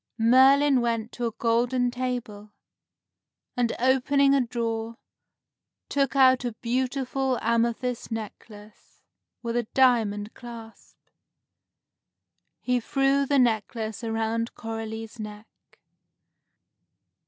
Merlin went to a golden table, and, opening a drawer, took out a beautiful amethyst necklace, with a diamond clasp. He threw the necklace around Coralie's neck.